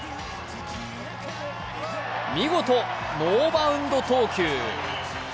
見事ノーバウンド投球。